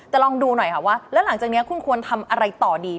แต่ลองดูหน่อยค่ะว่าแล้วหลังจากนี้คุณควรทำอะไรต่อดี